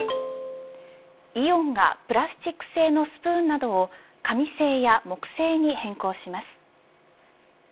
イオンがプラスチック製のスプーンなどを紙製や木製に変更します。